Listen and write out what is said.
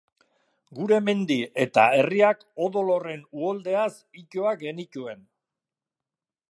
Gure mendi eta herriak odol horren uholdeaz itoak genituen.